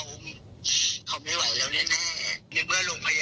รู้เรื่องผ่านไว้